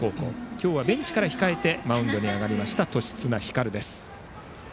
今日はベンチから控えてマウンドに上がった年綱皓です。